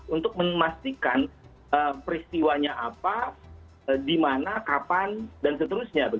untuk memastikan peristiwanya apa di mana kapan dan seterusnya